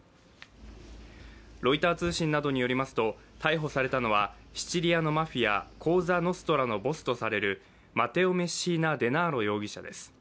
ロイター通信などによりますと逮捕されたのはシチリアのマフィア、コーザ・ノストラのボスとされるマテオ・メッシーナ・デナーロ容疑者です。